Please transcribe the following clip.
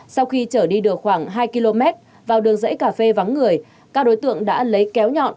sau khi chở đi được khoảng hai km vào đường dãy cà phê vắng người các đối tượng đã lấy kéo nhọn